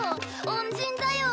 恩人だよ。